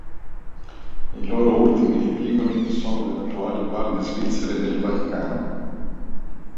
I loro ultimi epigoni sono le attuali guardie svizzere del Vaticano.